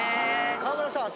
川村さん